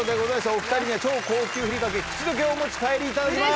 お２人には超高級ふりかけ「口どけ」をお持ち帰りいただきます。